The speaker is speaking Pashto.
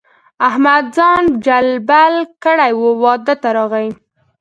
احمد ځان جلبل کړی وو؛ واده ته راغی.